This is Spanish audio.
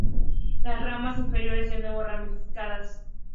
Las ramas inferiores de nuevo ramificadas.